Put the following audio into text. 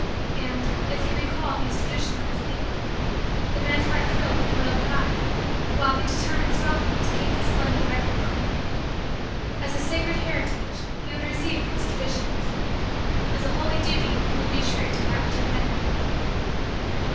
And, as he recalled these traditions of his people, the man's heart thrilled with loyal pride while he determined strongly to keep the splendid record clean. As a sacred heritage, he would receive these traditions. As a holy duty he would be true to that which had been.